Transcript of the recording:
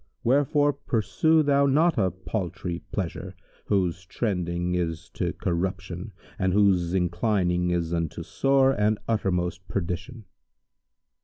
Wherefore pursue thou not a paltry pleasure, whose trending is to corruption and whose inclining is unto sore and uttermost perdition."